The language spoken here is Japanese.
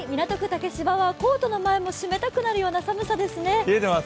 竹芝はコートの前も閉めたくなるような寒さですね。